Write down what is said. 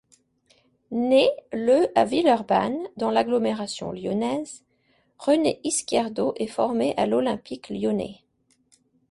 Né le à Villeurbanne, dans l'agglomération lyonnaise, René Izquierdo est formé à l'Olympique lyonnais.